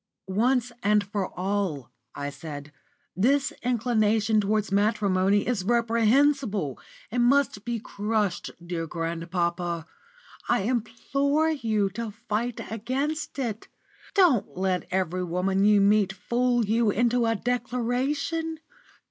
"Once and for all," I said, "this inclination towards matrimony is reprehensible and must be crushed, dear grandpapa. I implore of you to fight against it. Don't let every woman you meet fool you into a declaration.